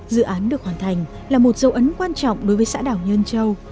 dự án được hoàn thành là một dấu ấn quan trọng đối với xã đảo nhân trong